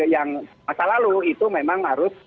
yang masa lalu itu memang harus